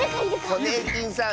ホネーキンさん